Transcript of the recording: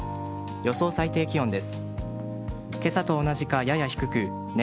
予想最高気温です。